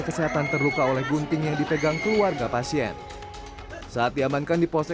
kesehatan terluka oleh gunting yang dipegang keluarga pasien saat diamankan di pose